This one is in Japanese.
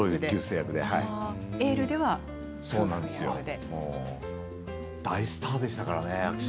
薬師丸さんは大スターでしたからね。